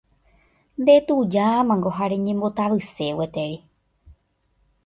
ndetujámango ha reñembotavyse gueteri